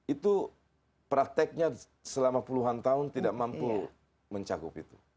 itu prakteknya selama puluhan tahun tidak mampu mencakup itu